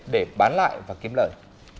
để bán lại và kiếm lời